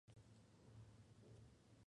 Se encuentra en la costa noroeste de la isla.